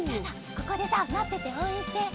ここでさまってておうえんして。